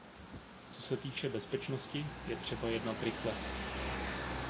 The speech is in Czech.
Co se týče bezpečnosti, je třeba jednat rychle.